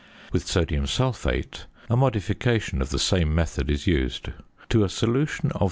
With sodium sulphate, a modification of the same method is used. To a solution of 3.